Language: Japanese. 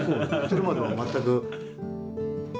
それまでは全く。